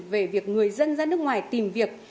về việc người dân ra nước ngoài tìm việc